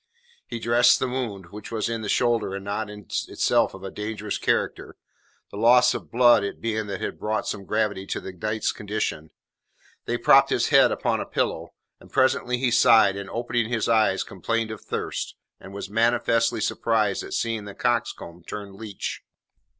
He dressed the wound, which was in the shoulder and not in itself of a dangerous character, the loss of blood it being that had brought some gravity to the knight's condition. They propped his head upon a pillow, and presently he sighed and, opening his eyes, complained of thirst, and was manifestly surprised at seeing the coxcomb turned leech.